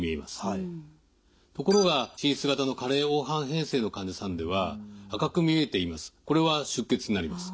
ところが滲出型の加齢黄斑変性の患者さんでは赤く見えています。